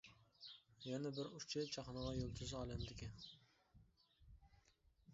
يەنە بىر ئۇچى چاقنىغان يۇلتۇز ئالەمدىكى.